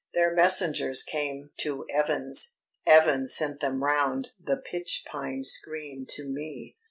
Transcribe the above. Their messengers came to Evans, Evans sent them round the pitch pine screen to me.